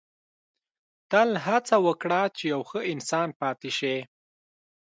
• تل هڅه وکړه چې یو ښه انسان پاتې شې.